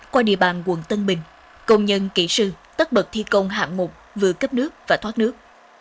qua địa bàn quận tân bình công nhân kỹ sư tất bật thi công hạng mục vừa cấp nước và thoát nước